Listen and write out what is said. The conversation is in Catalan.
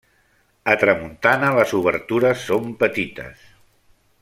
A tramuntana les obertures són petites.